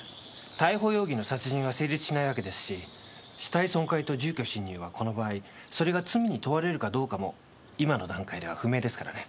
逮捕容疑の殺人は成立しないわけですし死体損壊と住居侵入はこの場合それが罪に問われるかどうかも今の段階では不明ですからね。